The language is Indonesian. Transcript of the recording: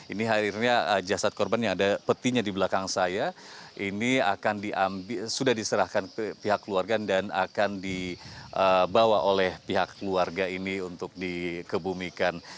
ini akhirnya jasad korban yang ada petinya di belakang saya ini sudah diserahkan ke pihak keluarga dan akan dibawa oleh pihak keluarga ini untuk dikebumikan